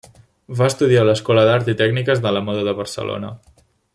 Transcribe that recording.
Va estudiar a l'Escola d'Art i Tècniques de la Moda de Barcelona.